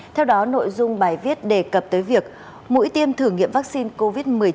theo đó nội dung bài viết đề cập tới việc mũi tiêm thử nghiệm vaccine covid một mươi chín